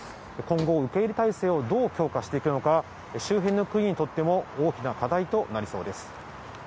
今後、受け入れ態勢をどう強化していくのか、周辺の国にとっても大きな課題となりそうです。